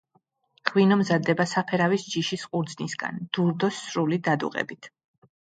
ღვინო მზადდება საფერავის ჯიშის ყურძნისგან, დურდოს სრული დადუღებით.